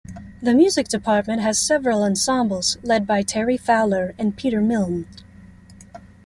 The music department has several ensembles led by Teri Fowler, and Peter Milne.